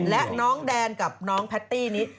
และน้องแดนกับน้องแพตตี้นี้